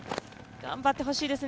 頑張ってほしいですね。